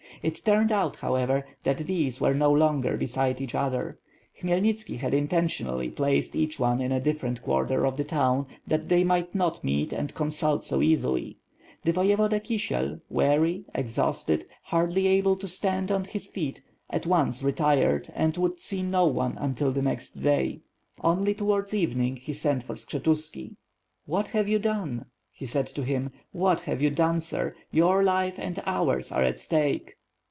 It turned out, however, that these were no longer beside each other. Khmyelnitski had inten tionally placed each one in a diflferent quarter of the town that they might not meet and consult so easily. The Voye voda Kisiel, weary, exhausted, hardly able to stand on his feet, at once retired and would see no one until the next day; only towards evening, he sent for Skshetuski. "What have you done?" he said to him, "what have you done, sir? Your life and ours are at stake."